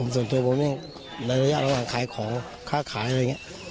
ส่วนตัวผมในระยะระหว่างขายของค่าขายอะไรอย่างนี้